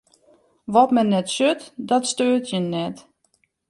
Wat men net sjocht, dat steurt jin net.